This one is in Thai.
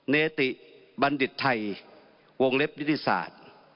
เนติบรรดิษฐ์ไทยวงเลศวิทยาศาสตร์